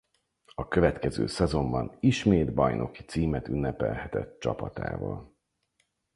A következő szezonban ismét bajnoki címet ünnepelhetett csapatával.